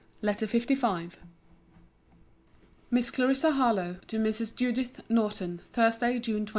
LETTER LV MISS CLARISSA HARLOWE, TO MRS. JUDITH NORTON THURSDAY, JUNE 29.